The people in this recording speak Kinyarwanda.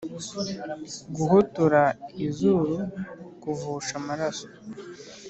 guhotora izuru kuvusha amaraso,